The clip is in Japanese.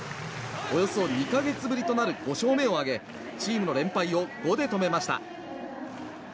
およそ２か月ぶりとなる５勝目を挙げチームの連敗を５で止めました。